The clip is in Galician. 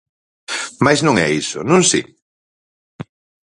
Mais non é iso, non si?